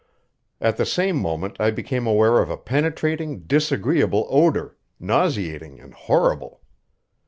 At the same moment I became aware of a penetrating, disagreeable odor, nauseating and horrible.